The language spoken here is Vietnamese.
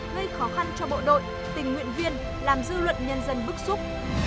gây khó khăn cho bộ đội tình nguyện viên làm dư luận nhân dân bức xúc